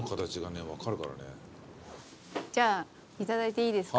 じゃあいただいていいですか？